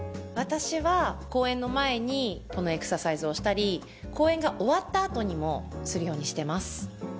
私は公演の前にこのエクササイズをしたり公演が終わった後にもするようにしてます。